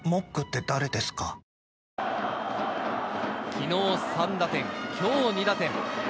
昨日３打点、今日２打点。